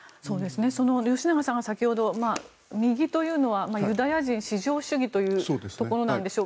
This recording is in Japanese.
吉永さんが先ほど、右というのはユダヤ人至上主義というところなんでしょう。